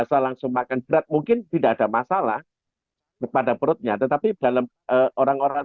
biasa langsung makan berat mungkin tidak ada masalah kepada perutnya tetapi dalam orang orang